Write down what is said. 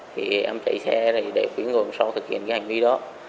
thì em chạy xe để khuyến hưởng sau thực hiện cái hành vi đó